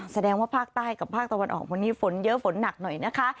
แสดงว่าภาคใต้กับภาคตะวันออกวันนี้ฝนเยอะฝนหนักหน่อยนะคะ